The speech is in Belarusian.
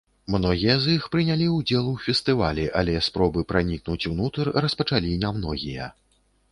Многія з іх прынялі ўдзел у фестывалі, але спробы пранікнуць унутр распачалі нямногія.